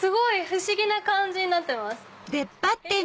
不思議な感じになってます。